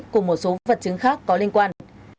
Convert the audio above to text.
cùng một số vật chứng khác có liên quan